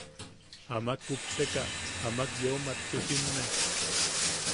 Amak kupteka, amak yeu matchu simne.